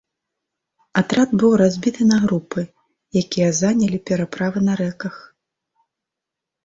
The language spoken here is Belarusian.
Атрад быў разбіты на групы, якія занялі пераправы на рэках.